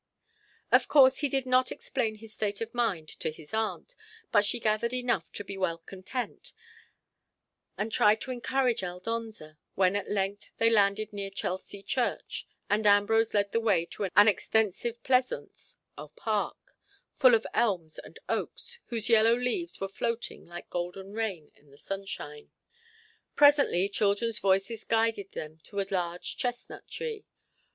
Of course, he did not explain his state of mind to his aunt, but she gathered enough to be well content, and tried to encourage Aldonza, when at length they landed near Chelsea Church, and Ambrose led the way to an extensive pleasaunce or park, full of elms and oaks, whose yellow leaves were floating like golden rain in the sunshine. Presently children's voices guided them to a large chestnut tree.